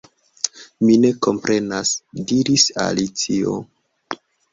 "Mi ne komprenas," diris Alicio.